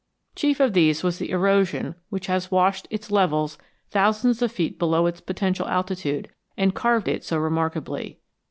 Chief of these was the erosion which has washed its levels thousands of feet below its potential altitude and carved it so remarkably.